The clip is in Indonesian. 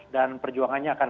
dan perjuangannya akan